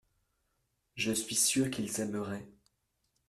Je suis sûr qu’ils aimeraient.